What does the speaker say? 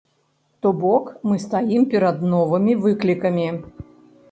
То бок мы стаім перад новымі выклікамі.